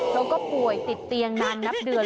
แล้วก็ป่วยติดเตียงนานนับเดือน